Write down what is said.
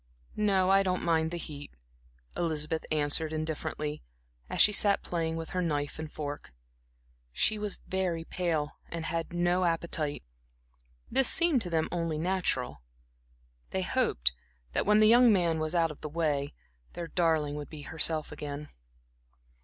"No, I don't mind the heat," Elizabeth answered indifferently, as she sat playing with her knife and fork. She was very pale and had no appetite. This seemed to them only natural. They hoped that when the young man were once out of the way, their darling would be herself again.